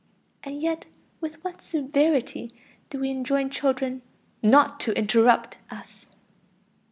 And yet with what severity do we enjoin children "not to interrupt" us!